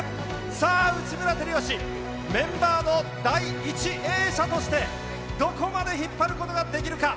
さあ、内村光良、メンバーの第１泳者として、どこまで引っ張ることができるか。